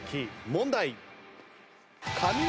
問題。